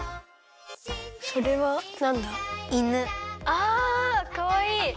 あかわいい！